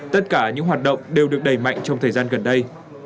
tất cả những hoạt động đều được đẩy mạnh trong thời gian gần đây